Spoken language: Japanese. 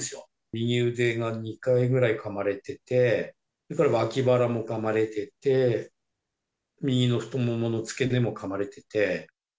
右腕が２回ぐらいかまれてて、それから脇腹もかまれてて、右の太ももの付け根もかまれてて。